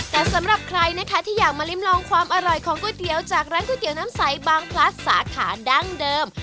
แต่สำหรับใครนะคะที่อยากมาริมลองความอร่อยของก๋วยเตี๋ยวจากร้านก๋วยเตี๋ยวน้ำใสบางพลัสสาขาดั้งเดิม